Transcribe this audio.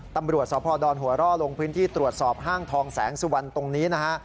ตำรวจสพดหัวร่อลงพื้นที่ตรวจสอบห้างทองแสงสุวรรณตรงนี้นะฮะ